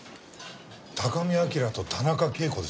高見明と田中啓子ですね。